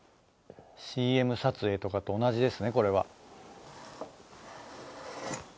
ＣＭ撮影とかと同じですねこれは。